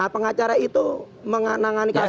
pengacara itu menanganikan